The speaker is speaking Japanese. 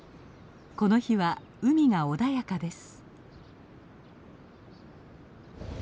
この日は海が穏やかです。